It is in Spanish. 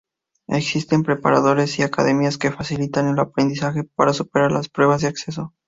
Existen preparadores y academias que facilitan el aprendizaje para superar las pruebas de acceso.